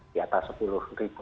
di atas sepuluh ribu